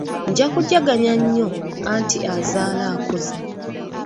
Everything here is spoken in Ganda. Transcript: Nja kujaagaana nnyo anti azaala akuza.